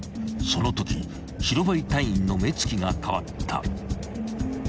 ［そのとき白バイ隊員の目つきが変わった］